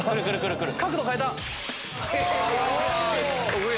角度変えた。